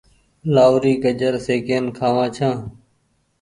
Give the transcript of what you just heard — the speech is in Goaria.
لآهوري گآجر سيڪين کآوآن ڇآن ۔